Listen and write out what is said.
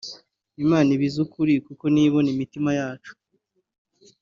Imana iba izi ukuri kuko niyo ibona imitima yacu